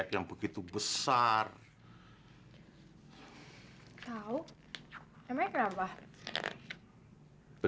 saya bilang aja saja kamu